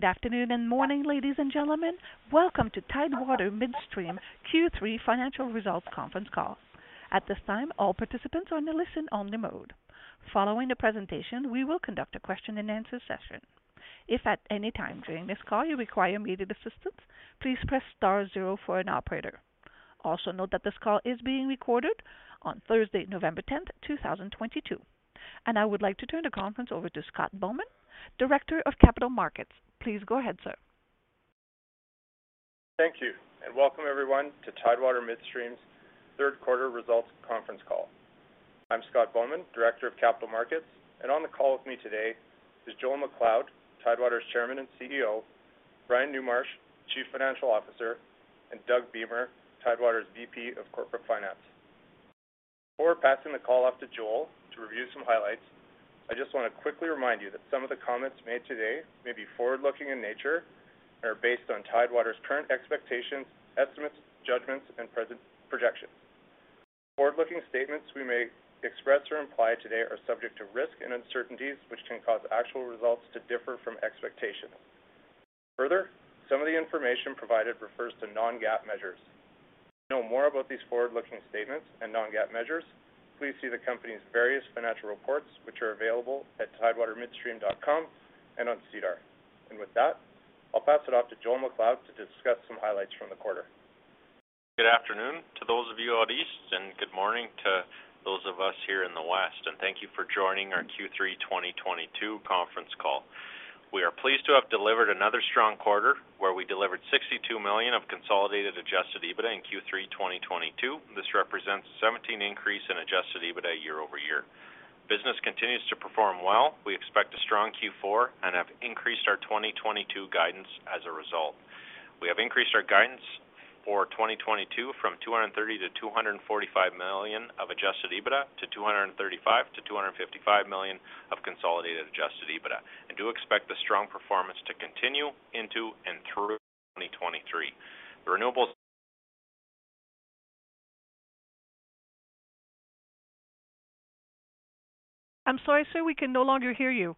Good afternoon and morning, ladies and gentlemen. Welcome to Tidewater Midstream Q3 Financial Results Conference Call. At this time, all participants are on a listen-only mode. Following the presentation, we will conduct a question-and-answer session. If at any time during this call you require immediate assistance, please press star zero for an operator. Also note that this call is being recorded on Thursday, November 10th, 2022. I would like to turn the conference over to Scott Bauman, Director of Capital Markets. Please go ahead, sir. Thank you, and welcome everyone to Tidewater Midstream's third quarter results conference call. I'm Scott Bauman, Director of Capital Markets, and on the call with me today is Joel MacLeod, Tidewater's Chairman and CEO, Brian Newmarch, Chief Financial Officer, and Doug Beamer, Tidewater's VP of Corporate Finance. Before passing the call off to Joel to review some highlights, I just want to quickly remind you that some of the comments made today may be forward-looking in nature and are based on Tidewater's current expectations, estimates, judgments, and present projections. Forward-looking statements we may express or imply today are subject to risk and uncertainties, which can cause actual results to differ from expectations. Further, some of the information provided refers to non-GAAP measures. To know more about these forward-looking statements and non-GAAP measures, please see the company's various financial reports, which are available at tidewatermidstream.com and on SEDAR. With that, I'll pass it off to Joel MacLeod to discuss some highlights from the quarter. Good afternoon to those of you out east and good morning to those of us here in the West. Thank you for joining our Q3 2022 conference call. We are pleased to have delivered another strong quarter where we delivered 62 million of consolidated adjusted EBITDA in Q3 2022. This represents a 17% increase in adjusted EBITDA year-over-year. Business continues to perform well. We expect a strong Q4 and have increased our 2022 guidance as a result. We have increased our guidance for 2022 from 230 million-245 million of adjusted EBITDA to 235 million-255 million of consolidated adjusted EBITDA and do expect the strong performance to continue into and through 2023. Renewables- I'm sorry, sir. We can no longer hear you.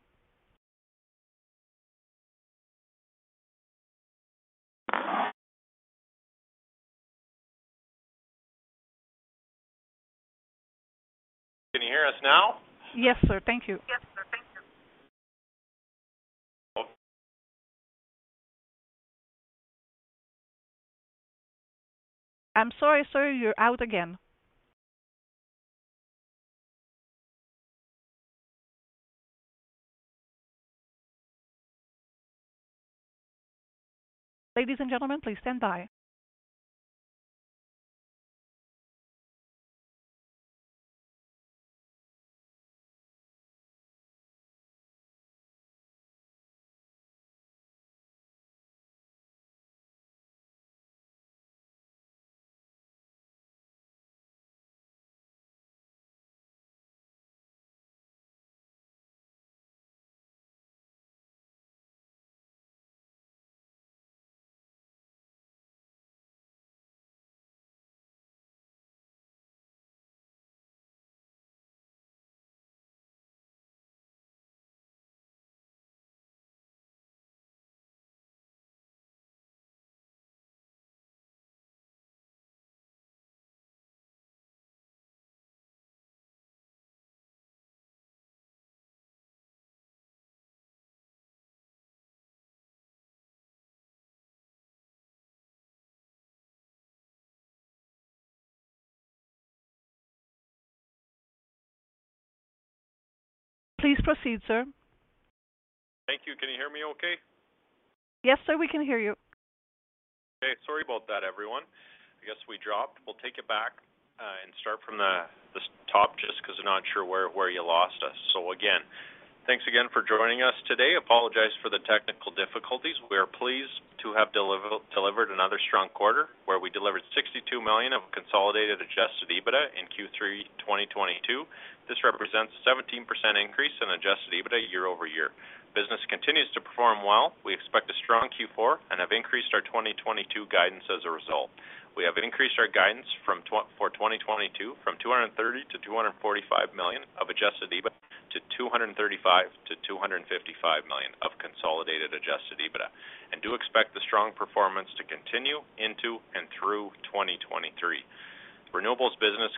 Can you hear us now? Yes, sir. Thank you. Hello? I'm sorry, sir. You're out again. Ladies and gentlemen, please stand by. Thank you. Can you hear me okay? Yes, sir, we can hear you. Okay. Sorry about that, everyone. I guess we dropped. We'll take it back and start from the top just 'cause I'm not sure where you lost us. Again, thanks again for joining us today. Apologize for the technical difficulties. We are pleased to have delivered another strong quarter where we delivered 62 million of consolidated adjusted EBITDA in Q3 2022. This represents 17% increase in adjusted EBITDA year-over-year. Business continues to perform well. We expect a strong Q4 and have increased our 2022 guidance as a result. We have increased our guidance for 2022 from 230 million-245 million of adjusted EBITDA to 235 million-255 million of consolidated adjusted EBITDA and do expect the strong performance to continue into and through 2023. Renewables business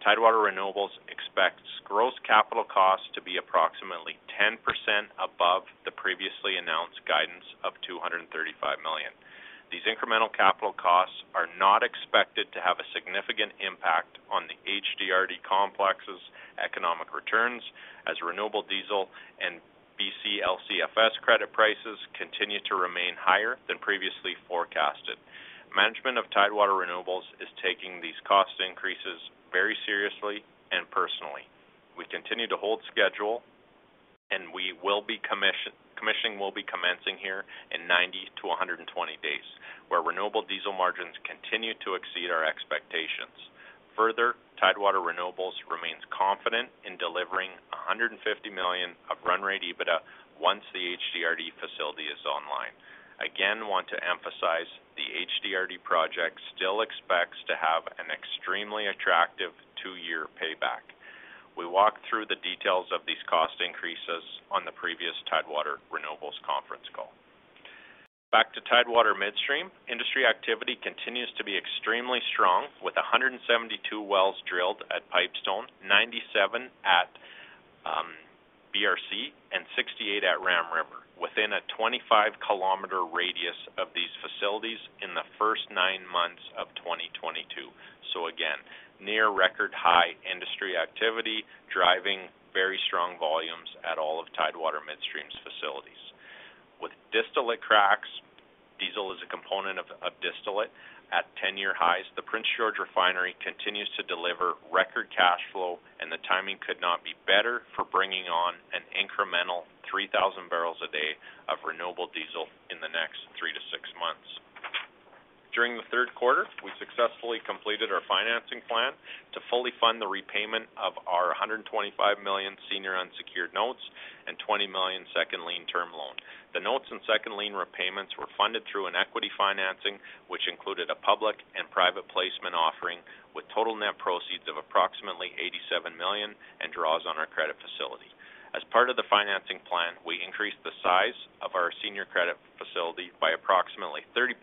20 days, where renewable diesel margins continue to exceed our expectations. Further, Tidewater Renewables remains confident in delivering 150 million of run rate EBITDA once the HDRD facility is online. Again, want to emphasize the HDRD project still expects to have an extremely attractive two-year payback. We walked through the details of these cost increases on the previous Tidewater Renewables conference call. Back to Tidewater Midstream. Industry activity continues to be extremely strong, with 172 wells drilled at Pipestone, 97 at BRC, and 68 at Ram River within a 25 km radius of these facilities in the first nine months of 2022. Again, near record high industry activity driving very strong volumes at all of Tidewater Midstream's facilities. With distillate cracks, diesel is a component of distillate at ten-year highs. The Prince George Refinery continues to deliver record cash flow, and the timing could not be better for bringing on an incremental 3,000 barrels a day of renewable diesel in the next three to six months. During the third quarter, we successfully completed our financing plan to fully fund the repayment of our 125 million senior unsecured notes and 20 million second lien term loan. The notes and second lien repayments were funded through an equity financing, which included a public and private placement offering with total net proceeds of approximately 87 million and draws on our credit facility. As part of the financing plan, we increased the size of our senior credit facility by approximately 30%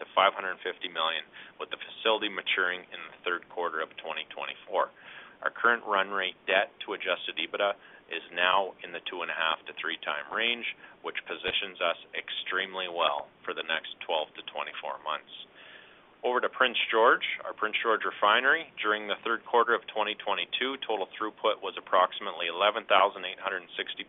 to 550 million, with the facility maturing in the third quarter of 2024. Our current run rate debt to adjusted EBITDA is now in the 2.5x-3x range, which positions us extremely well for the next 12-24 months. Over to Prince George. Our Prince George Refinery, during the third quarter of 2022, total throughput was approximately 11,860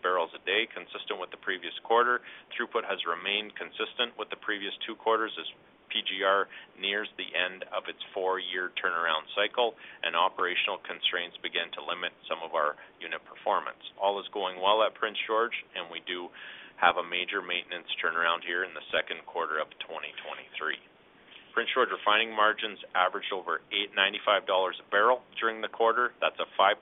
barrels a day, consistent with the previous quarter. Throughput has remained consistent with the previous two quarters as PGR nears the end of its four-year turnaround cycle, and operational constraints begin to limit some of our unit performance. All is going well at Prince George, and we do have a major maintenance turnaround here in the second quarter of 2023. Prince George refining margins averaged over $895 a barrel during the quarter. That's a 5%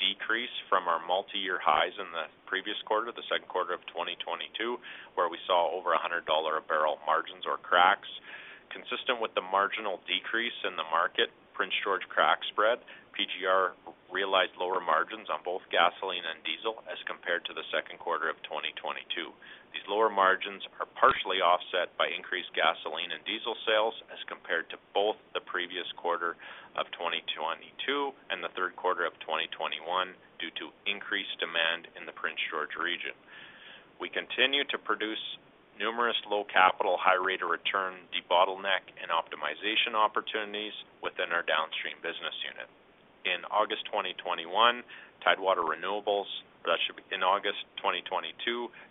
decrease from our multiyear highs in the previous quarter, the second quarter of 2022, where we saw over $100 a barrel margins or cracks. Consistent with the marginal decrease in the market, Prince George crack spread, PGR realized lower margins on both gasoline and diesel as compared to the second quarter of 2022. These lower margins are partially offset by increased gasoline and diesel sales as compared to both the previous quarter of 2022 and the third quarter of 2021 due to increased demand in the Prince George region. We continue to produce numerous low capital, high rate of return debottleneck and optimization opportunities within our downstream business unit. In August 2021, Tidewater Renewables... That should be in August 2022.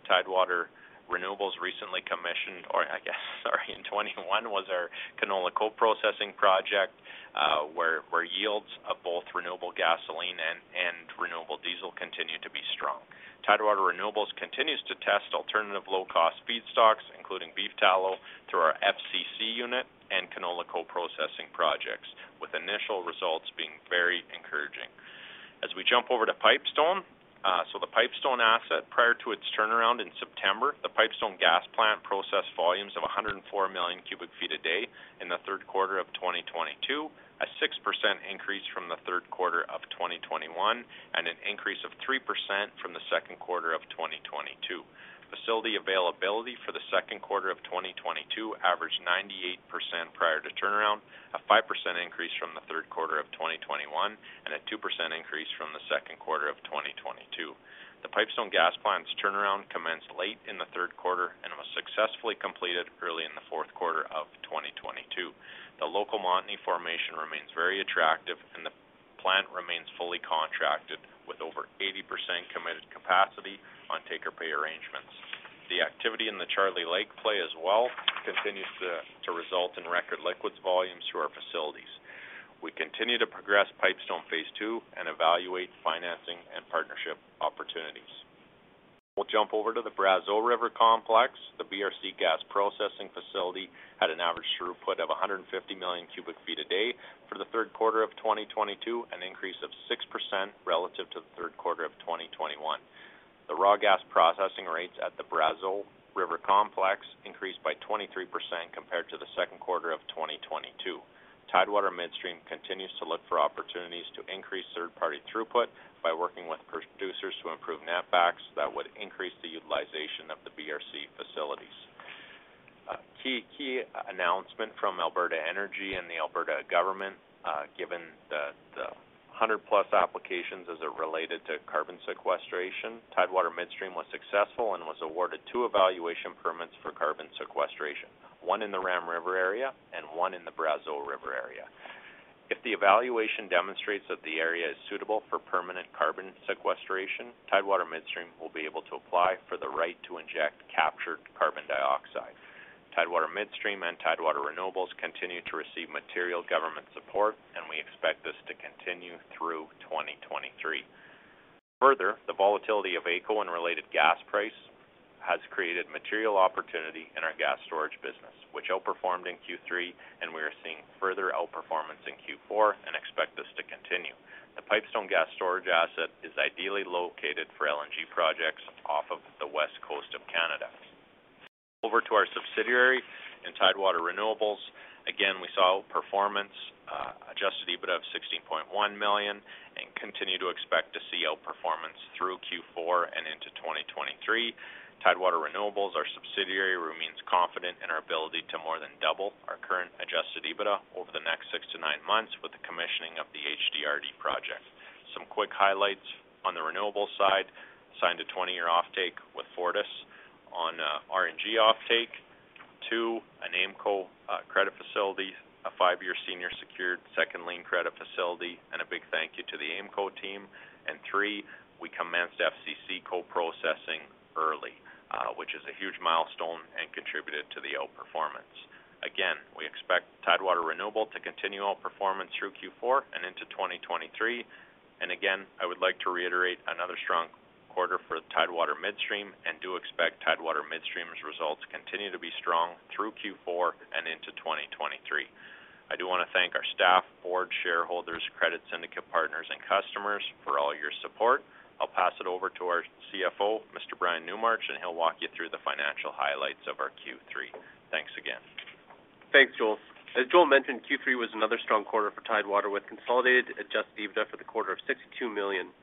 Tidewater Renewables recently commissioned, or I guess, sorry, in 2021 was our canola co-processing project, where yields of both renewable gasoline and renewable diesel continue to be strong. Tidewater Renewables continues to test alternative low-cost feedstocks, including beef tallow, through our FCC unit and canola co-processing projects, with initial results being very encouraging. As we jump over to Pipestone, the Pipestone asset, prior to its turnaround in September, the Pipestone gas plant processed volumes of 104 million cubic feet a day in the third quarter of 2022, a 6% increase from the third quarter of 2021 and an increase of 3% from the second quarter of 2022. Facility availability for the second quarter of 2022 averaged 98% prior to turnaround, a 5% increase from the third quarter of 2021 and a 2% increase from the second quarter of 2022. The Pipestone gas plant's turnaround commenced late in the third quarter and was successfully completed early in the fourth quarter of 2022. The local Montney formation remains very attractive, and the plant remains fully contracted with over 80% committed capacity on take-or-pay arrangements. The activity in the Charlie Lake play as well continues to result in record liquids volumes through our facilities. We continue to progress Pipestone phase II and evaluate financing and partnership opportunities. We'll jump over to the Brazeau River complex. The BRC gas processing facility had an average throughput of 150 million cubic feet a day for the third quarter of 2022, an increase of 6% relative to the third quarter of 2021. The raw gas processing rates at the Brazeau River complex increased by 23% compared to the second quarter of 2022. Tidewater Midstream continues to look for opportunities to increase third-party throughput by working with producers to improve netbacks that would increase the utilization of the BRC facilities. A key announcement from Alberta Energy and the Alberta government, given the 100+ applications as they're related to carbon sequestration, Tidewater Midstream was successful and was awarded two evaluation permits for carbon sequestration, one in the Ram River area and one in the Brazeau River area. If the evaluation demonstrates that the area is suitable for permanent carbon sequestration, Tidewater Midstream will be able to apply for the right to inject captured carbon dioxide. Tidewater Midstream and Tidewater Renewables continue to receive material government support, and we expect this to continue through 2023. Further, the volatility of AECO and related gas price has created material opportunity in our gas storage business, which outperformed in Q3 and we are seeing further outperformance in Q4 and expect this to continue. The Pipestone gas storage asset is ideally located for LNG projects off of the West Coast of Canada. Over to our subsidiary in Tidewater Renewables. Again, we saw outperformance, adjusted EBITDA of 16.1 million and continue to expect to see outperformance through Q4 and into 2023. Tidewater Renewables, our subsidiary, remains confident in our ability to more than double our current adjusted EBITDA over the next six to nine months with the commissioning of the HDRD project. Some quick highlights on the renewables side, signed a 20-year offtake with FortisBC on RNG offtake. Two, an AIMCo credit facility, a five-year senior secured second lien credit facility, and a big thank you to the AIMCo team. Three, we commenced FCC coprocessing early, which is a huge milestone and contributed to the outperformance. Again, we expect Tidewater Renewables to continue outperformance through Q4 and into 2023. Again, I would like to reiterate another strong quarter for Tidewater Midstream and do expect Tidewater Midstream's results continue to be strong through Q4 and into 2023. I do want to thank our staff, board, shareholders, credit syndicate partners, and customers for all your support. I'll pass it over to our CFO, Mr. Brian Newmarch, and he'll walk you through the financial highlights of our Q3. Thanks again. Thanks, Joel. As Joel mentioned, Q3 was another strong quarter for Tidewater with consolidated adjusted EBITDA for the quarter of 62 million.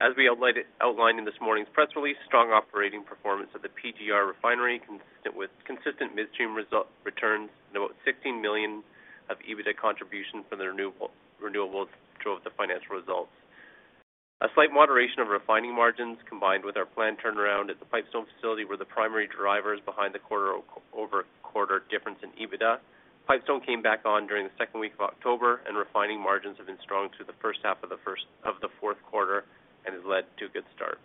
As we outlined in this morning's press release, strong operating performance of the PGR Refinery, consistent midstream result returns and about 16 million of EBITDA contributions from the renewables drove the financial results. A slight moderation of refining margins combined with our planned turnaround at the Pipestone facility were the primary drivers behind the quarter-over-quarter difference in EBITDA. Pipestone came back on during the second week of October, and refining margins have been strong through the first half of the fourth quarter and has led to a good start.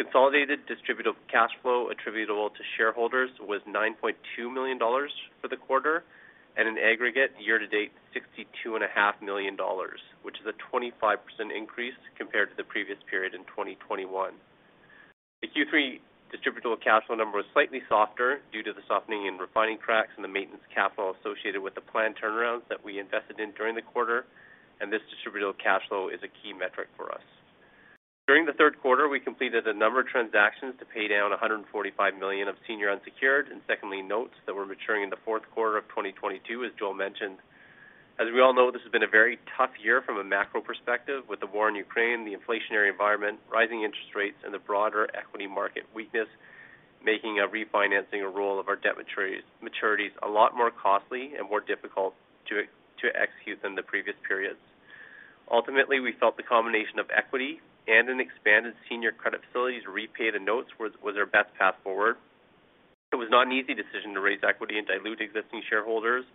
Consolidated distributable cash flow attributable to shareholders was 9.2 million dollars for the quarter at an aggregate year-to-date 62.5 million dollars, which is a 25% increase compared to the previous period in 2021. The Q3 distributable cash flow number was slightly softer due to the softening in refining cracks and the maintenance capital associated with the planned turnarounds that we invested in during the quarter, and this distributable cash flow is a key metric for us. During the third quarter, we completed a number of transactions to pay down 145 million of senior unsecured and subordinated notes that were maturing in the fourth quarter of 2022, as Joel mentioned. As we all know, this has been a very tough year from a macro perspective, with the war in Ukraine, the inflationary environment, rising interest rates, and the broader equity market weakness, making a refinancing or roll of our debt maturities a lot more costly and more difficult to execute than the previous periods. Ultimately, we felt the combination of equity and an expanded senior credit facilities to repay the notes was our best path forward. It was not an easy decision to raise equity and dilute existing shareholders,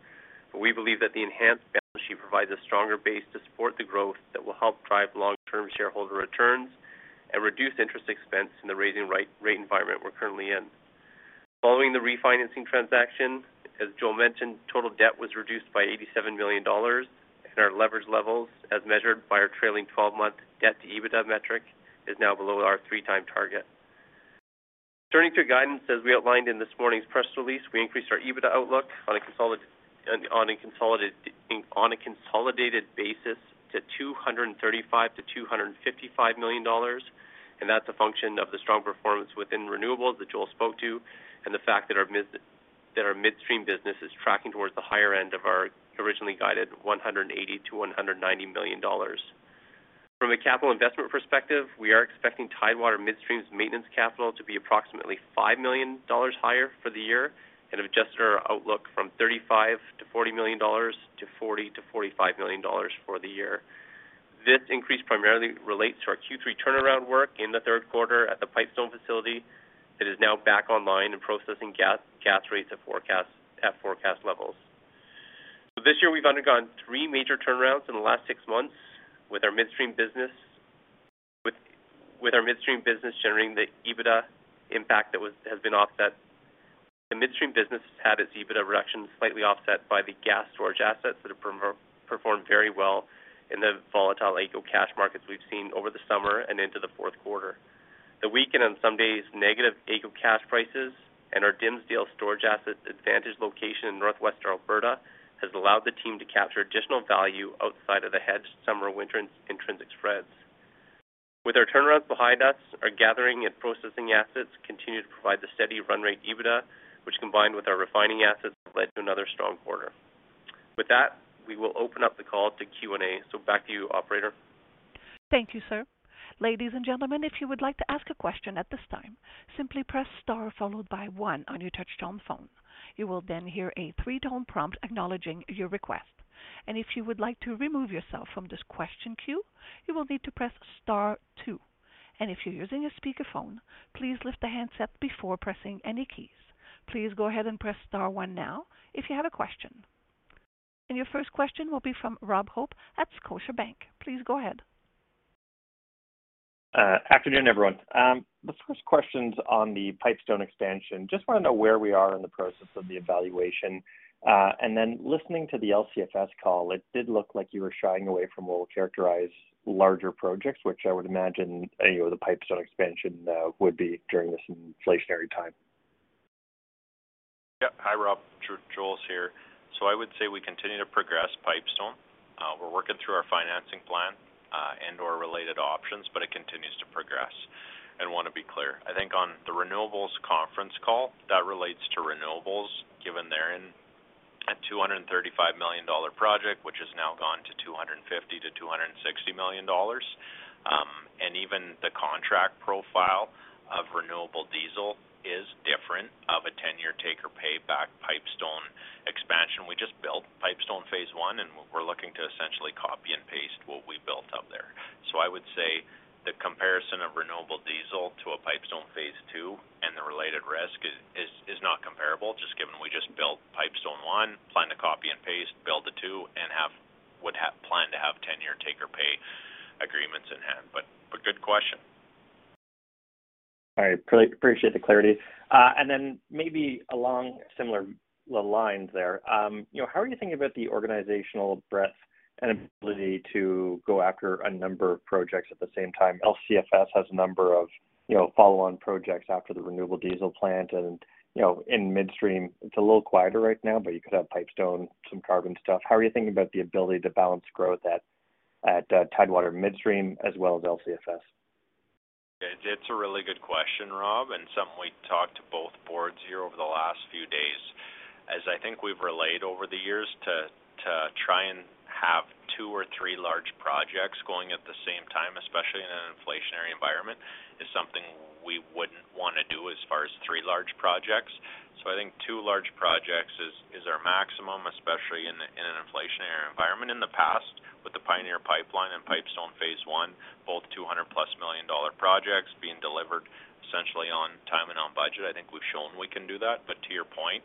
but we believe that the enhanced balance sheet provides a stronger base to support the growth that will help drive long-term shareholder returns and reduce interest expense in the rising high-rate environment we're currently in. Following the refinancing transaction, as Joel mentioned, total debt was reduced by 87 million dollars, and our leverage levels, as measured by our trailing twelve-month debt to EBITDA metric, is now below our 3x target. Turning to guidance, as we outlined in this morning's press release, we increased our EBITDA outlook on a consolidated basis to 235 million-255 million dollars. That's a function of the strong performance within renewables that Joel spoke to and the fact that our midstream business is tracking towards the higher end of our originally guided 180 million-190 million dollars. From a capital investment perspective, we are expecting Tidewater Midstream's maintenance capital to be approximately 5 million dollars higher for the year and have adjusted our outlook from 35 million-40 million to 40 million dollars- 45 million dollars for the year. This increase primarily relates to our Q3 turnaround work in the third quarter at the Pipestone facility that is now back online and processing gas rates at forecast levels. This year, we've undergone three major turnarounds in the last six months with our midstream business generating the EBITDA impact that has been offset. The midstream business has its EBITDA reduction slightly offset by the gas storage assets that have performed very well in the volatile AECO cash markets we've seen over the summer and into the fourth quarter. The weak and, on some days, negative AECO cash prices and our Dimsdale storage asset's advantaged location in northwestern Alberta has allowed the team to capture additional value outside of the hedged summer/winter intrinsic spreads. With our turnarounds behind us, our gathering and processing assets continue to provide the steady run rate EBITDA, which combined with our refining assets, have led to another strong quarter. With that, we will open up the call to Q&A. Back to you, operator. Thank you, sir. Ladies and gentlemen, if you would like to ask a question at this time, simply press star followed by one on your touchtone phone. You will then hear a three-tone prompt acknowledging your request. If you would like to remove yourself from this question queue, you will need to press star two. If you're using a speakerphone, please lift the handset before pressing any keys. Please go ahead and press star one now if you have a question. Your first question will be from Rob Hope at Scotiabank. Please go ahead. Afternoon, everyone. The first question's on the Pipestone expansion. Just want to know where we are in the process of the evaluation. Listening to the LCFS call, it did look like you were shying away from what we'll characterize larger projects, which I would imagine, you know, the Pipestone expansion, would be during this inflationary time. Yeah. Hi, Rob. Joel here. I would say we continue to progress Pipestone. We're working through our financing plan and/or related options, but it continues to progress. I wanna be clear, I think on the renewables conference call, that relates to renewables given they're in a 235 million dollar project, which has now gone to 250 million-260 million dollars. Even the contract profile of renewable diesel is different from a 10-year take-or-pay for Pipestone expansion. We just built Pipestone phase I, and we're looking to essentially copy and paste what we built up there. I would say the comparison of renewable diesel to a Pipestone phase II and the related risk is not comparable just given we just built Pipestone one, plan to copy and paste, build the two, and plan to have 10-year take-or-pay agreements in hand. Good question. All right. Appreciate the clarity. Maybe along similar lines there, you know, how are you thinking about the organizational breadth and ability to go after a number of projects at the same time? LCFS has a number of, you know, follow-on projects after the renewable diesel plant and, you know, in midstream, it's a little quieter right now, but you could have Pipestone, some carbon stuff. How are you thinking about the ability to balance growth at Tidewater Midstream as well as LCFS? It's a really good question, Rob, and something we talked to both boards here over the last few days. As I think we've relayed over the years, to try and have two or three large projects going at the same time, especially in an inflationary environment, is something we wouldn't wanna do as far as three large projects. I think two large projects is our maximum, especially in an inflationary environment. In the past with the Pioneer Pipeline and Pipestone phase I, both 200+ million dollar projects being delivered essentially on time and on budget. I think we've shown we can do that. To your point,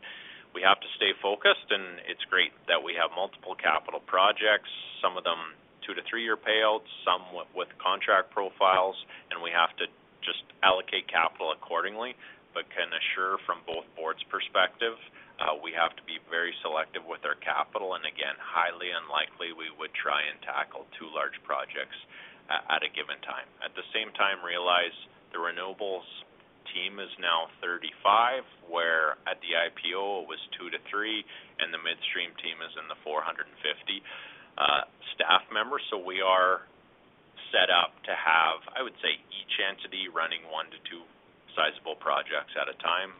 we have to stay focused, and it's great that we have multiple capital projects, some of them two to three year payouts, some with contract profiles, and we have to just allocate capital accordingly. I can assure from both boards perspective, we have to be very selective with our capital and again, highly unlikely we would try and tackle two large projects at a given time. At the same time, realize the renewables team is now 35, where at the IPO it was two to three, and the midstream team is in the 450 staff members. We are set up to have, I would say, each entity running one to two sizable projects at a time.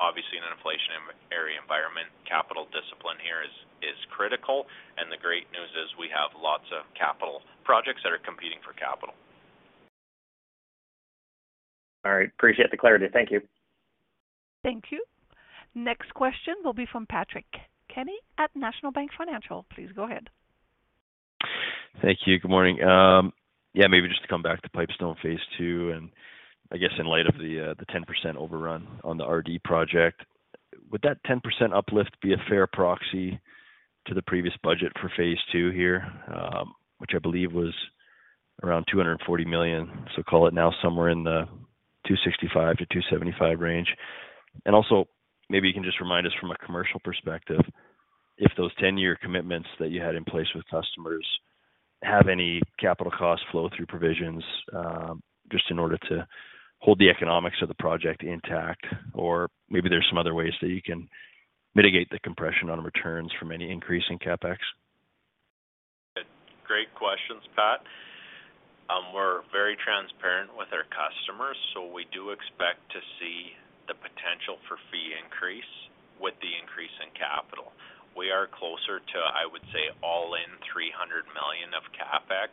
Obviously in an inflationary environment, capital discipline here is critical and the great news is we have lots of capital projects that are competing for capital. All right. Appreciate the clarity. Thank you. Thank you. Next question will be from Patrick Kenny at National Bank Financial. Please go ahead. Thank you. Good morning. Yeah, maybe just to come back to Pipestone phase II and I guess in light of the 10% overrun on the RD project. Would that 10% uplift be a fair proxy to the previous budget for phase II here, which I believe was around 240 million, so call it now somewhere in the 265 million-275 million range? Also maybe you can just remind us from a commercial perspective if those 10-year commitments that you had in place with customers have any capital cost flow through provisions, just in order to hold the economics of the project intact or maybe there's some other ways that you can mitigate the compression on returns from any increase in CapEx. Great questions, Pat. We're very transparent with our customers, so we do expect to see the potential for fee increase with the increase in capital. We are closer to, I would say, all in 300 million of CapEx,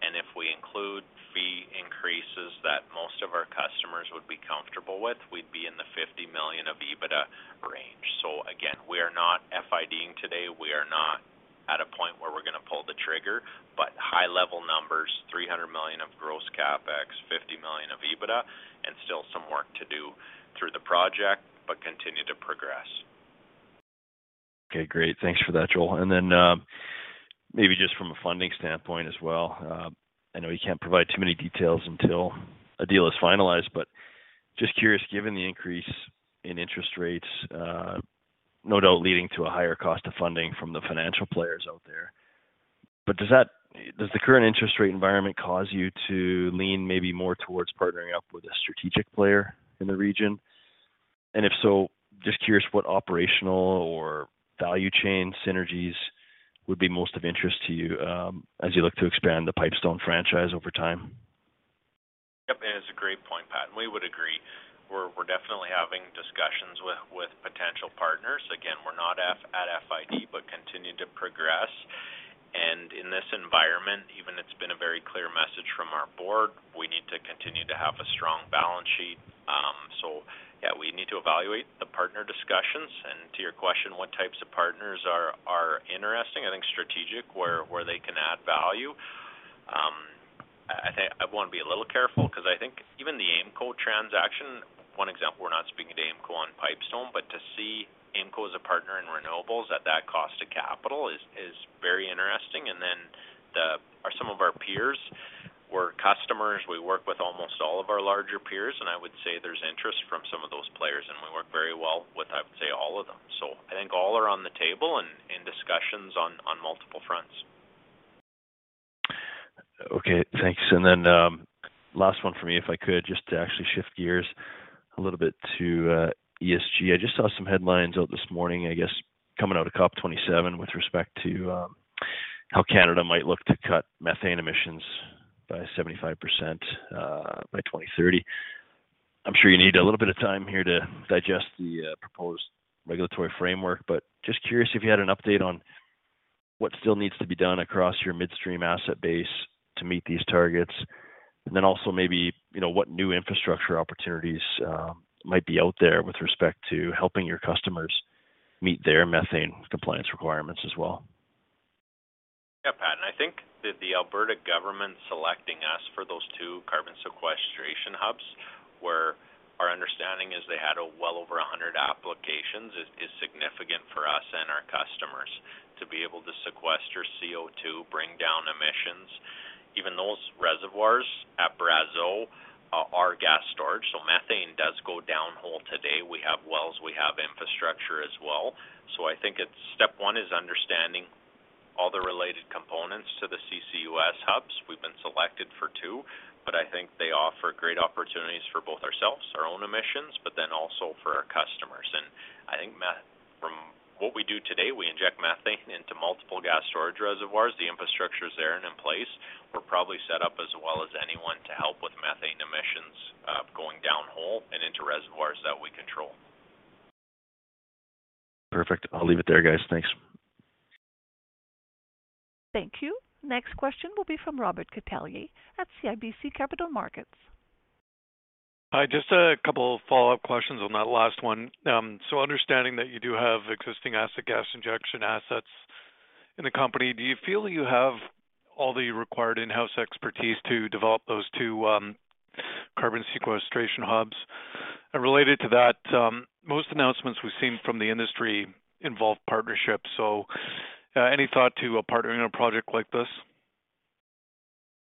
and if we include fee increases that most of our customers would be comfortable with, we'd be in the 50 million of EBITDA range. Again, we are not FID-ing today. We are not at a point where we're gonna pull the trigger, but high level numbers, 300 million of gross CapEx, 50 million of EBITDA and still some work to do through the project, but continue to progress. Okay, great. Thanks for that, Joel. Maybe just from a funding standpoint as well, I know you can't provide too many details until a deal is finalized, but just curious, given the increase in interest rates, no doubt leading to a higher cost of funding from the financial players out there. Does the current interest rate environment cause you to lean maybe more towards partnering up with a strategic player in the region? If so, just curious what operational or value chain synergies would be most of interest to you, as you look to expand the Pipestone franchise over time? Yep. It's a great point, Pat, and we would agree. We're definitely having discussions with potential partners. Again, we're not at FID, but continue to progress. In this environment even it's been a very clear message from our board, we need to continue to have a strong balance sheet. Yeah, we need to evaluate the partner discussions. To your question, what types of partners are interesting? I think strategic where they can add value. I think I wanna be a little careful 'cause I think even the AIMCo transaction, one example, we're not speaking to AIMCo on Pipestone, but to see AIMCo as a partner in renewables at that cost of capital is very interesting. Or some of our peers were customers. We work with almost all of our larger peers, and I would say there's interest from some of those players, and we work very well with, I would say, all of them. I think all are on the table and in discussions on multiple fronts. Okay, thanks. last one for me, if I could, just to actually shift gears a little bit to ESG. I just saw some headlines out this morning, I guess, coming out of COP 27 with respect to how Canada might look to cut methane emissions by 75% by 2030. I'm sure you need a little bit of time here to digest the proposed regulatory framework, but just curious if you had an update on what still needs to be done across your midstream asset base to meet these targets. also maybe, you know, what new infrastructure opportunities might be out there with respect to helping your customers meet their methane compliance requirements as well. Yeah, Pat, I think that the Alberta government selecting us for those two carbon sequestration hubs, where our understanding is they had well over 100 applications, is significant for us and our customers to be able to sequester CO2, bring down emissions. Even those reservoirs at Brazeau are gas storage, so methane does go down whole. Today, we have wells, we have infrastructure as well. I think it's step one is understanding all the related components to the CCUS hubs. We've been selected for two, but I think they offer great opportunities for both ourselves, our own emissions, but then also for our customers. I think from what we do today, we inject methane into multiple gas storage reservoirs. The infrastructure is there and in place. We're probably set up as well as anyone to help with methane emissions, going downhole and into reservoirs that we control. Perfect. I'll leave it there, guys. Thanks. Thank you. Next question will be from Robert Catellier at CIBC Capital Markets. Hi. Just a couple follow-up questions on that last one. Understanding that you do have existing acid gas injection assets in the company, do you feel you have all the required in-house expertise to develop those two carbon sequestration hubs? Related to that, most announcements we've seen from the industry involve partnerships. Any thought to partnering a project like this?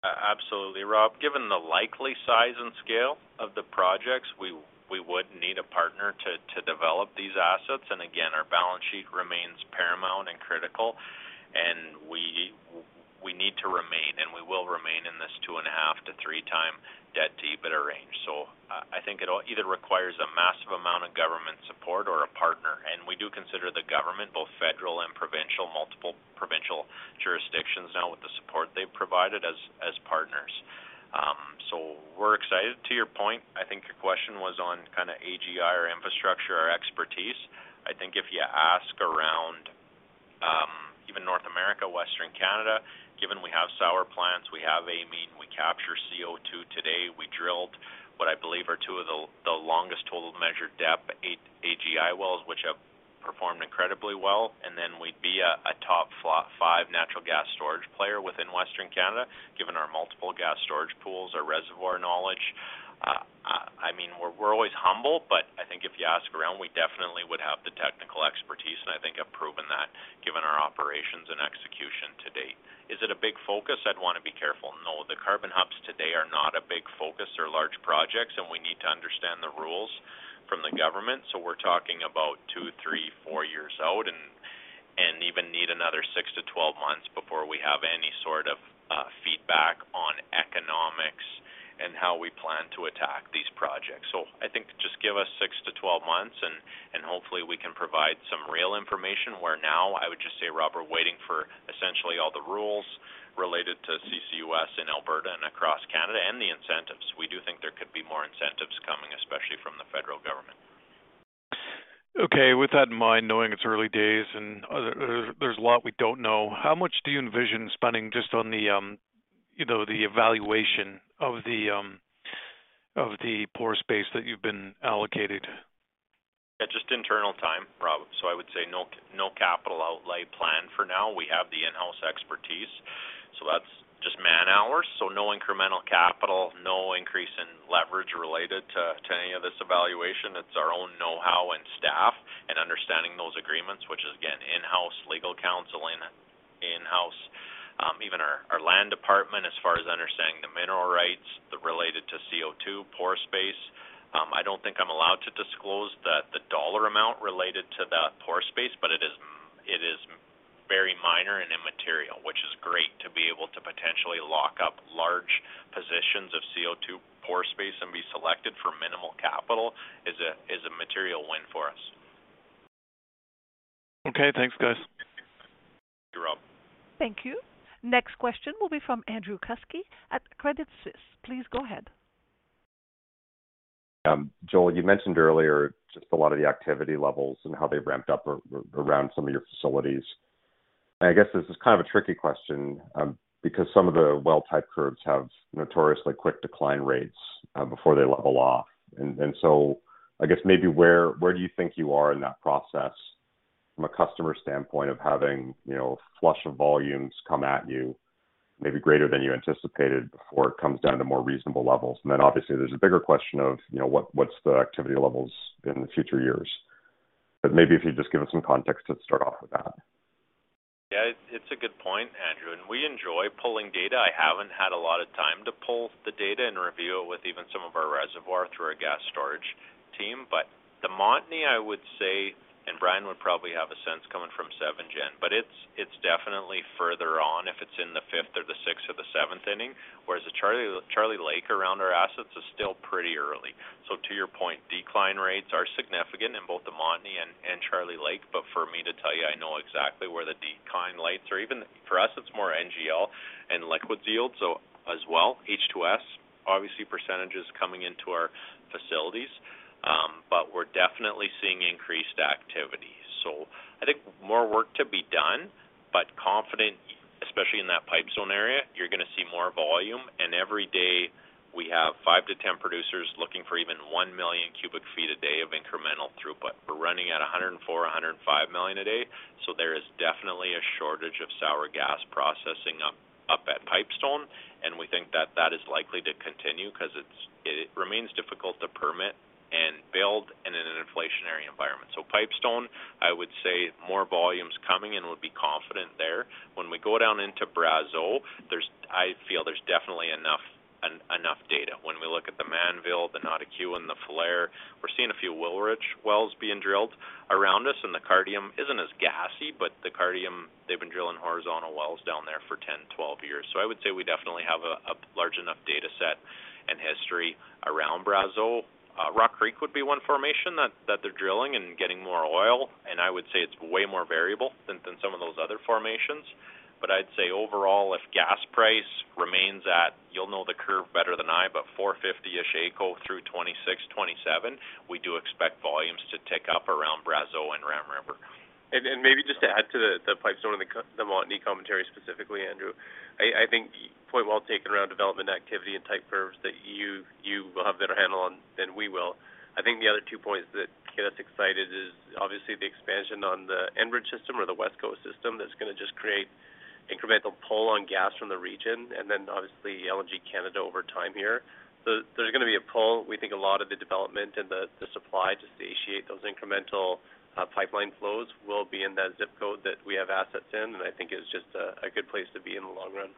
Absolutely, Rob. Given the likely size and scale of the projects, we would need a partner to develop these assets. Again, our balance sheet remains paramount and critical. We need to remain, and we will remain in this 2.5x-3x debt-to-EBITDA range. I think it all either requires a massive amount of government support or a partner. We do consider the government, both federal and provincial, multiple provincial jurisdictions now with the support they've provided as partners. We're excited. To your point, I think your question was on kinda AGI or infrastructure or expertise. I think if you ask around, even North America, Western Canada, given we have sour plants, we have amine, we capture CO2 today, we drilled what I believe are two of the longest total measured depth eight AGI wells, which have performed incredibly well. Then we'd be a top five natural gas storage player within Western Canada, given our multiple gas storage pools, our reservoir knowledge. I mean, we're always humble, but I think if you ask around, we definitely would have the technical expertise, and I think I've proven that given our operations and execution to date. Is it a big focus? I'd wanna be careful. No, the carbon hubs today are not a big focus or large projects, and we need to understand the rules from the government. We're talking about two, three, four years out and even need another six to 12 months before we have any sort of feedback on economics and how we plan to attack these projects. I think just give us six to 12 months, and hopefully we can provide some real information where now I would just say, Rob, we're waiting for essentially all the rules related to CCUS in Alberta and across Canada and the incentives. We do think there could be more incentives coming, especially from the federal government. Okay. With that in mind, knowing it's early days and there's a lot we don't know, how much do you envision spending just on the, you know, the evaluation of the pore space that you've been allocated? Yeah, just internal time, Rob. I would say no capital outlay plan for now. We have the in-house expertise, so that's just man-hours. No incremental capital, no increase in leverage related to any of this evaluation. It's our own know-how and staff and understanding those agreements, which is again, in-house legal counseling, in-house, even our land department as far as understanding the mineral rights, those related to CO2 pore space. I don't think I'm allowed to disclose the dollar amount related to that pore space, but it is very minor and immaterial, which is great to be able to potentially lock up large positions of CO2 pore space and be selected for minimal capital is a material win for us. Okay, thanks, guys. Thank you, Rob. Thank you. Next question will be from Andrew Kuske at Credit Suisse. Please go ahead. Joel, you mentioned earlier just a lot of the activity levels and how they've ramped up around some of your facilities. I guess this is kind of a tricky question, because some of the well type curves have notoriously quick decline rates before they level off. I guess maybe where do you think you are in that process from a customer standpoint of having, you know, flush of volumes come at you maybe greater than you anticipated before it comes down to more reasonable levels? Then obviously, there's a bigger question of, you know, what's the activity levels in the future years. Maybe if you just give us some context to start off with that. Yeah. It's a good point, Andrew, and we enjoy pulling data. I haven't had a lot of time to pull the data and review it with even some of our reservoir through our gas storage team. The Montney, I would say, and Brian would probably have a sense coming from SevenGen, but it's definitely further on if it's in the fifth or the sixth or the seventh inning. Whereas Charlie Lake around our assets is still pretty early. To your point, decline rates are significant in both the Montney and Charlie Lake. For me to tell you I know exactly where the decline rates are. Even for us, it's more NGL and liquids yield, so as well, H2S, obviously percentages coming into our facilities, but we're definitely seeing increased activity. I think more work to be done, but confident, especially in that Pipestone area, you're gonna see more volume. Every day we have five to 10 producers looking for even 1 million cu ft a day of incremental throughput. We're running at 104-105 million a day. There is definitely a shortage of sour gas processing up at Pipestone, and we think that is likely to continue because it remains difficult to permit and build in an inflationary environment. Pipestone, I would say more volumes coming and would be confident there. When we go down into Brazeau, I feel there's definitely enough data. When we look at the Mannville, the Notikewin, and the Falher, we're seeing a few Willowridge wells being drilled around us, and the Cardium isn't as gassy, but the Cardium, they've been drilling horizontal wells down there for 10-12 years. I would say we definitely have a large enough data set and history around Brazeau. Rock Creek would be one formation that they're drilling and getting more oil. I would say it's way more variable than some of those other formations. I'd say overall, if gas price remains at, you'll know the curve better than I, but 4.50-ish AECO through 2026, 2027, we do expect volumes to tick up around Brazeau and Ram River. Maybe just to add to the Pipestone and the Montney commentary, specifically, Andrew. I think point well taken around development activity and type curves that you will have a better handle on than we will. I think the other two points that get us excited is obviously the expansion on the Enbridge system or the Westcoast pipeline system that's going to just create incremental pull on gas from the region and then obviously LNG Canada over time here. There's gonna be a pull. We think a lot of the development and the supply to satiate those incremental pipeline flows will be in that ZIP code that we have assets in. I think it's just a good place to be in the long run.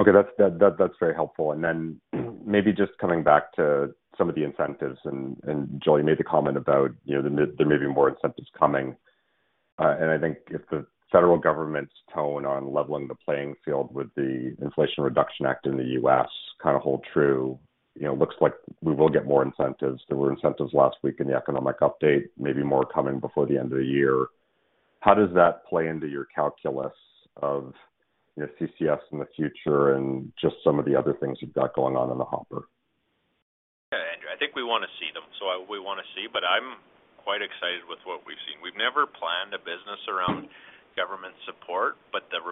Okay. That's very helpful. Then maybe just coming back to some of the incentives, and Joel made the comment about, you know, there may be more incentives coming. I think if the federal government's tone on leveling the playing field with the Inflation Reduction Act in the US kind of hold true, you know, looks like we will get more incentives. There were incentives last week in the economic update, maybe more coming before the end of the year. How does that play into your calculus of, you know, CCS in the future and just some of the other things you've got going on in the hopper? Yeah, Andrew, I think we want to see them. We want to see, but I'm quite excited with what we've seen. We've never planned a business around government support, but the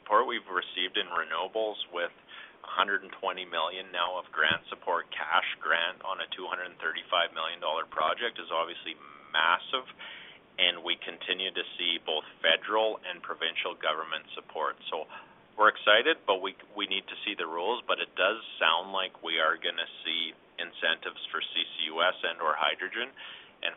support we've received in renewables with 120 million now of grant support, cash grant on a 235 million dollar project is obviously massive, and we continue to see both federal and provincial government support. We're excited, but we need to see the rules. It does sound like we are gonna see incentives for CCUS and/or hydrogen.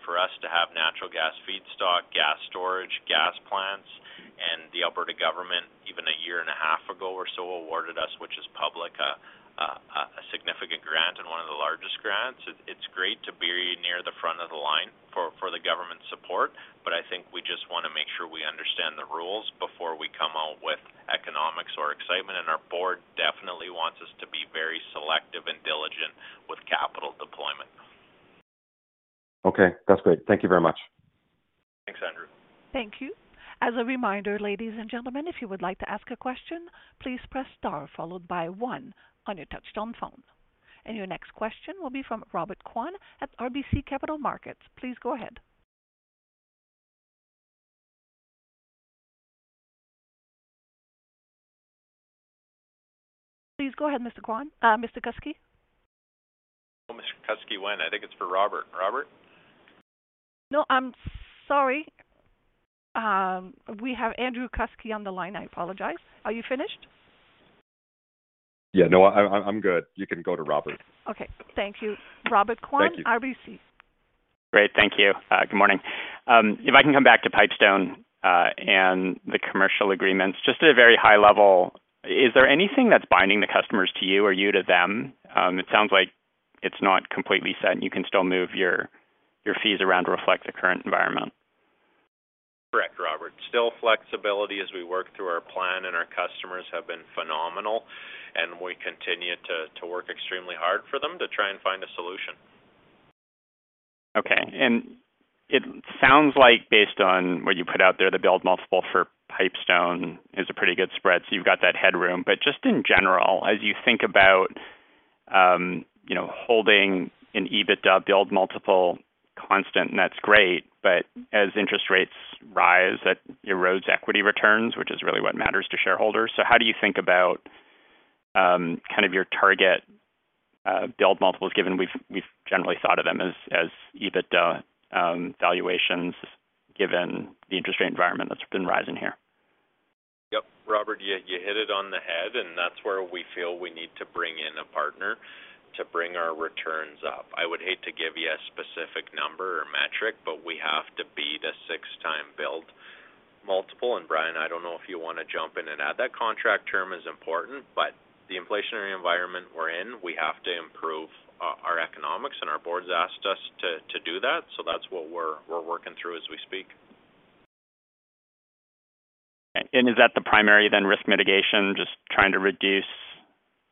For us to have natural gas feedstock, gas storage, gas plants, and the Alberta government, even a year and a half ago or so, awarded us, which is public, a significant grant and one of the largest grants. It's great to be near the front of the line for the government support, but I think we just want to make sure we understand the rules before we come out with economics or excitement. Our board definitely wants us to be very selective and diligent with capital deployment. Okay, that's great. Thank you very much. Thanks, Andrew. Thank you. As a reminder, ladies and gentlemen, if you would like to ask a question, please press star followed by one on your touchtone phone. Your next question will be from Robert Kwan at RBC Capital Markets. Please go ahead. Please go ahead, Mr. Kwan. Mr. Kuske. Mr. Kuske, when? I think it's for Robert. Robert? No, I'm sorry. We have Andrew Kuske on the line. I apologize. Are you finished? Yeah. No, I'm good. You can go to Robert. Okay. Thank you. Robert Kwan. Thank you. RBC. Great. Thank you. Good morning. If I can come back to Pipestone and the commercial agreements, just at a very high level, is there anything that's binding the customers to you or you to them? It sounds like it's not completely set, and you can still move your fees around to reflect the current environment. Correct, Robert. Still flexibility as we work through our plan, and our customers have been phenomenal, and we continue to work extremely hard for them to try and find a solution. Okay. It sounds like based on what you put out there, the build multiple for Pipestone is a pretty good spread, so you've got that headroom. Just in general, as you think about, you know, holding an EBITDA build multiple constant, and that's great. As interest rates rise, that erodes equity returns, which is really what matters to shareholders. How do you think about, kind of your target, build multiples, given we've generally thought of them as EBITDA, valuations given the interest rate environment that's been rising here? Yep. Robert, you hit it on the head, and that's where we feel we need to bring in a partner to bring our returns up. I would hate to give you a specific number or metric, but we have to beat a 6x build multiple. Brian, I don't know if you wanna jump in and add. That contract term is important, but the inflationary environment we're in, we have to improve our economics and our board's asked us to do that. That's what we're working through as we speak. Is that the primary then risk mitigation, just trying to reduce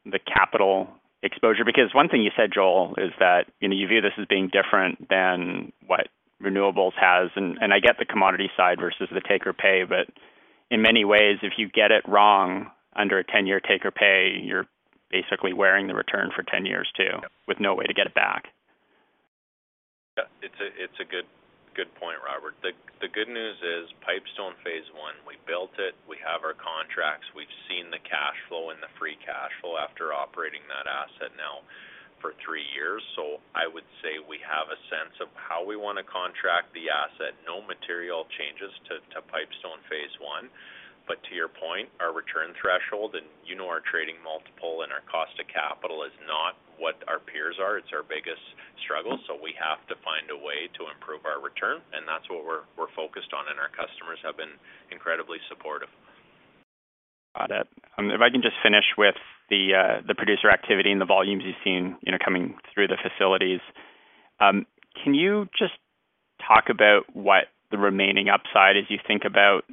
the capital exposure? Because one thing you said, Joel, is that, you know, you view this as being different than what renewables has, and I get the commodity side versus the take-or-pay. But in many ways, if you get it wrong under a 10-year take-or-pay, you're basically wearing the return for 10 years too, with no way to get it back. Yeah. It's a good point, Robert. The good news is Pipestone phase I, we built it, we have our contracts. We've seen the cash flow and the free cash flow after operating that asset now for three years. I would say we have a sense of how we wanna contract the asset. No material changes to Pipestone phase I. To your point, our return threshold, and you know our trading multiple and our cost of capital is not what our peers are. It's our biggest struggle, so we have to find a way to improve our return, and that's what we're focused on, and our customers have been incredibly supportive. Got it. If I can just finish with the producer activity and the volumes you've seen, you know, coming through the facilities. Can you just talk about what the remaining upside as you think about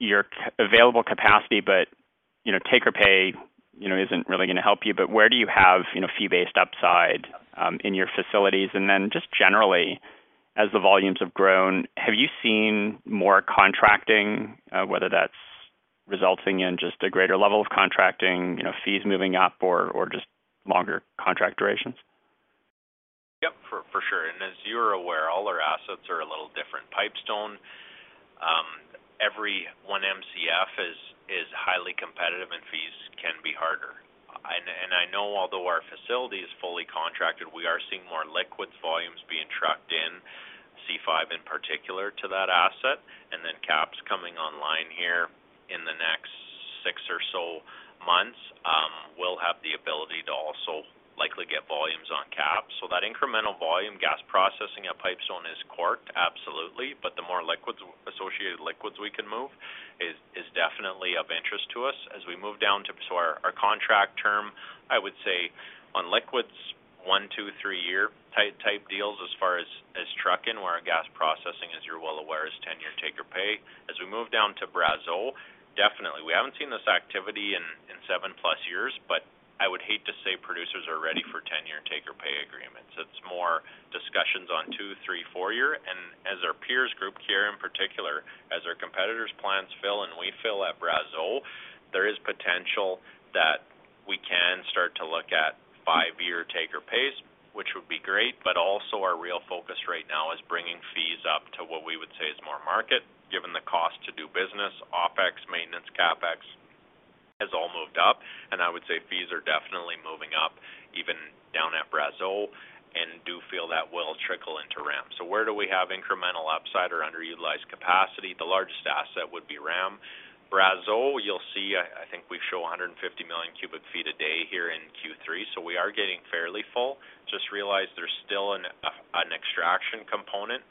your available capacity, but, you know, take-or-pay, you know, isn't really gonna help you, but where do you have, you know, fee-based upside in your facilities? Then just generally, as the volumes have grown, have you seen more contracting, whether that's resulting in just a greater level of contracting, you know, fees moving up or just longer contract durations? Yep, for sure. As you're aware, all our assets are a little different. Pipestone, every 1 Mcf is highly competitive and fees can be harder. I know although our facility is fully contracted, we are seeing more liquids volumes being trucked in, C5 in particular to that asset. Then CAPS coming online here in the next six or so months will have the ability to also likely get volumes on CAP. That incremental volume gas processing at Pipestone is locked, absolutely. But the more liquids associated liquids we can move is definitely of interest to us. As we move down to our contract term, I would say on liquids, one, two, three year type deals as far as trucking, where our gas processing, as you're well aware, is 10-year take-or-pay. As we move down to Brazeau, definitely. We haven't seen this activity in 7+ years, but I would hate to say producers are ready for 10-year take-or-pay agreements. It's more discussions on two, three, four year. As our peer group here, in particular as our competitors' plans fill and we fill at Brazeau, there is potential that we can start to look at five-year take-or-pays, which would be great. Also our real focus right now is bringing fees up to what we would say is more market, given the cost to do business. OpEx, maintenance, CapEx has all moved up, and I would say fees are definitely moving up even down at Brazeau, and do feel that will trickle into Ram. Where do we have incremental upside or underutilized capacity? The largest asset would be Ram. Brazeau, you'll see, I think we show 150 million cu ft a day here in Q3. We are getting fairly full. Just realize there's still an extraction component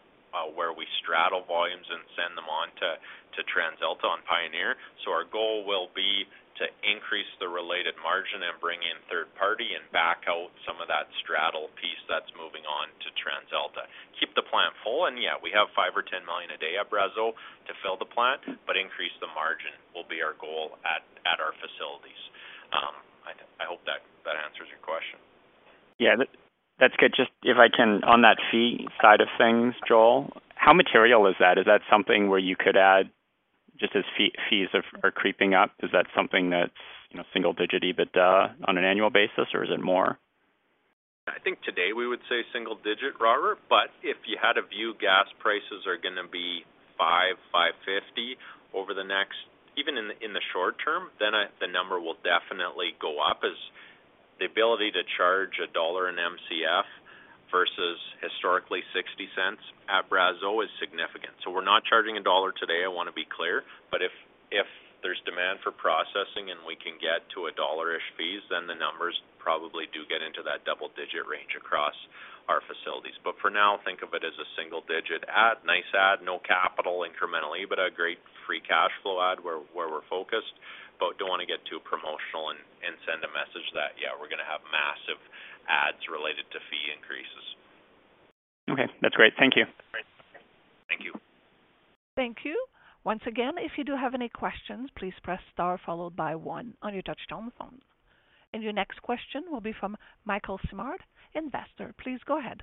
where we straddle volumes and send them on to TransAlta on Pioneer. Our goal will be to increase the related margin and bring in third party and back out some of that straddle piece that's moving on to TransAlta. Keep the plant full, and yeah, we have five or 10 million a day at Brazeau to fill the plant, but increase the margin will be our goal at our facilities. I hope that answers your question. Yeah. That's good. Just if I can, on that fee side of things, Joel, how material is that? Is that something where you could add just as fees are creeping up, is that something that's, you know, single digit EBITDA on an annual basis, or is it more? I think today we would say single digit, Robert. If you had to view gas prices are gonna be $5-$5.50 over the next, even in the short term, the number will definitely go up as the ability to charge $1 in Mcf versus historically $0.60 at Brazeau is significant. We're not charging $1 today, I wanna be clear. If there's demand for processing and we can get to a $1-ish fees, then the numbers probably do get into that double-digit range across our facilities. For now, think of it as a single digit add. Nice add, no capital, incremental EBITDA, great free cash flow add where we're focused, but don't want to get too promotional and send a message that, yeah, we're gonna have massive adds related to fee increases. Okay, that's great. Thank you. Thank you. Thank you. Once again, if you do have any questions, please press Star followed by one on your touchtone phone. Your next question will be from Michael Smart, Investor. Please go ahead.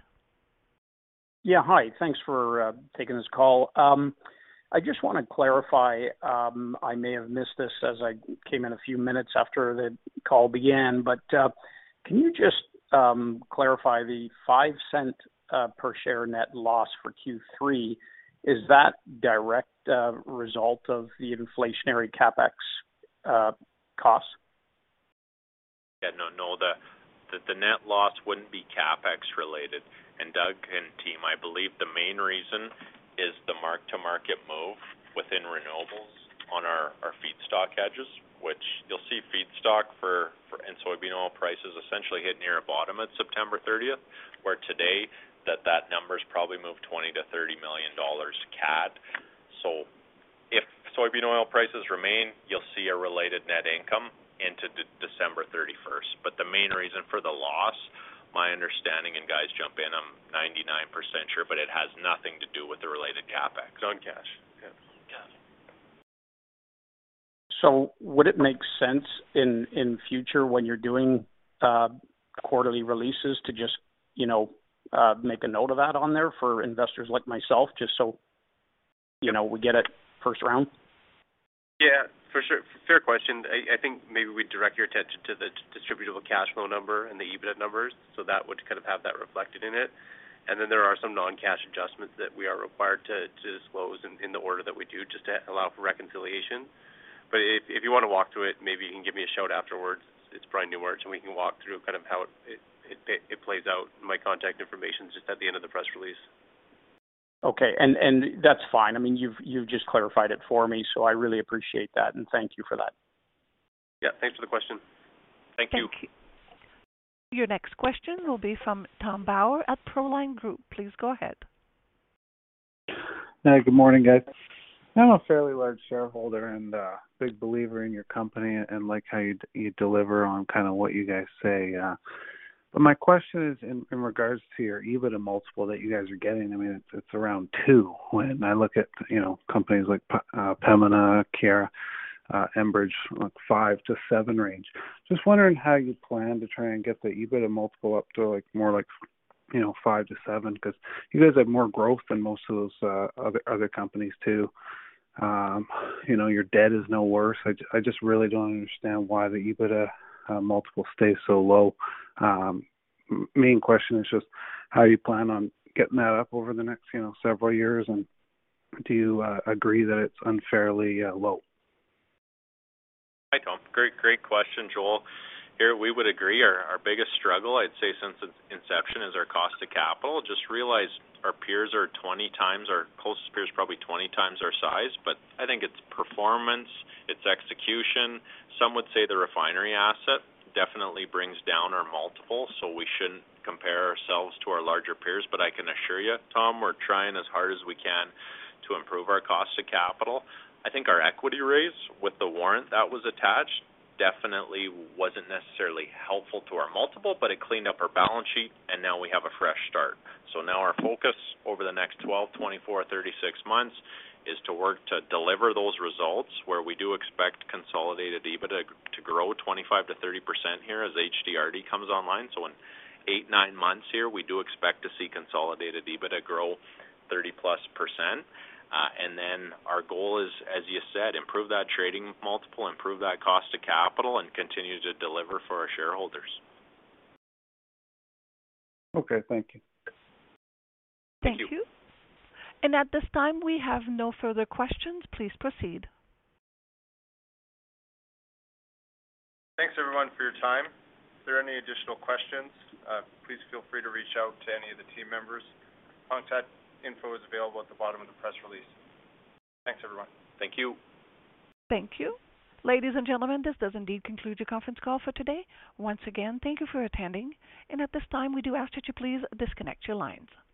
Hi. Thanks for taking this call. I just want to clarify. I may have missed this as I came in a few minutes after the call began, but can you just clarify the 0.05 per share net loss for Q3? Is that direct result of the inflationary CapEx cost? Yeah, no. The net loss wouldn't be CapEx related. Doug and team, I believe the main reason is the mark-to-market move within renewables on our feedstock hedges, which you'll see feedstock for and soybean oil prices essentially hit near a bottom at September 30th, where today that number's probably moved 20 million-30 million CAD. If soybean oil prices remain, you'll see a related net income into December 31st. The main reason for the loss, my understanding, and guys jump in, I'm 99% sure, but it has nothing to do with the related CapEx. Non-cash. Yeah. Yeah. Would it make sense in future when you're doing quarterly releases to just, you know, make a note of that on there for investors like myself, just so, you know, we get it first round? Yeah, for sure. Fair question. I think maybe we'd direct your attention to the distributable cash flow number and the EBIT numbers. That would kind of have that reflected in it. Then there are some non-cash adjustments that we are required to disclose in the order that we do just to allow for reconciliation. If you wanna walk through it, maybe you can give me a shout afterwards. It's Brian Newmarch, and we can walk through kind of how it plays out. My contact information is just at the end of the press release. Okay. That's fine. I mean, you've just clarified it for me, so I really appreciate that, and thank you for that. Yeah, thanks for the question. Thank you. Thank you. Your next question will be from Tom Bauer at Proline Group. Please go ahead. Hi, good morning, guys. I'm a fairly large shareholder and a big believer in your company and like how you deliver on kinda what you guys say. My question is in regards to your EBITDA multiple that you guys are getting. I mean, it's around two. When I look at, you know, companies like Pembina, Keyera, Enbridge, like five to seven range. Just wondering how you plan to try and get the EBITDA multiple up to, like, more like, you know, five to seven because you guys have more growth than most of those other companies too. You know, your debt is no worse. I just really don't understand why the EBITDA multiple stays so low. Main question is just how you plan on getting that up over the next, you know, several years, and do you agree that it's unfairly low? Hi, Tom. Great question, Joel. Here, we would agree our biggest struggle, I'd say since its inception is our cost of capital. Just realize our closest peers are probably 20x our size, but I think it's performance, it's execution. Some would say the refinery asset definitely brings down our multiple, so we shouldn't compare ourselves to our larger peers. I can assure you, Tom, we're trying as hard as we can to improve our cost of capital. I think our equity raise with the warrant that was attached definitely wasn't necessarily helpful to our multiple, but it cleaned up our balance sheet and now we have a fresh start. Now our focus over the next 12, 24, 36 months is to work to deliver those results where we do expect consolidated EBITDA to grow 25%-30% here as HDRD comes online. In eight, nine months here, we do expect to see consolidated EBITDA grow 30%+ . Then our goal is, as you said, improve that trading multiple, improve that cost to capital and continue to deliver for our shareholders. Okay, thank you. Thank you. Thank you. At this time, we have no further questions. Please proceed. Thanks everyone for your time. If there are any additional questions, please feel free to reach out to any of the team members. Contact info is available at the bottom of the press release. Thanks, everyone. Thank you. Thank you. Ladies and gentlemen, this does indeed conclude your conference call for today. Once again, thank you for attending, and at this time, we do ask that you please disconnect your lines.